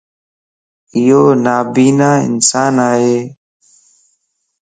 ايونابينا انسان ائي